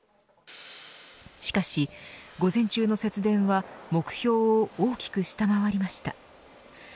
しかし午前中の節電は目標を大きく下回りました。